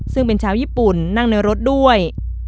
ซึ่งเป็นชาวญี่ปุ่นนั่งในรถด้วย